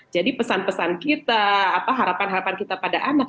jadi pesan pesan kita harapan harapan kita pada anak